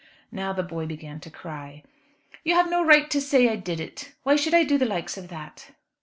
Now the boy began to cry. "You have no right to say I did it. Why should I do the likes of that?"